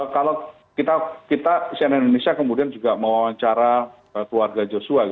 kalau kita sna indonesia kemudian juga mau wawancara keluarga joshua